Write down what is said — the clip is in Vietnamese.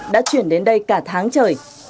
đã chuyển đến đây cả tháng trời